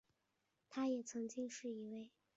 他也曾经是一位棒球选手。